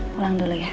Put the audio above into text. pulang dulu ya